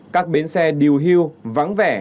các bến xe điều hưu vắng vẻ